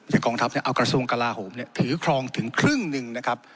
กองทัพเนี่ยเอากระทรวงกลาโหมเนี่ยถือครองถึงครึ่งหนึ่งนะครับ